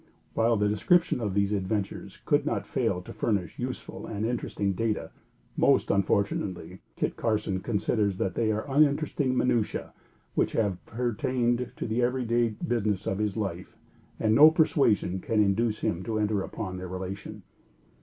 While the description of these adventures could not fail to furnish useful and interesting data, most unfortunately, Kit Carson considers that they are uninteresting minutiæ which have pertained to the every day business of his life and no persuasion can induce him to enter upon their relation.